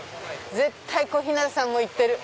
絶対小日向さんも行ってる。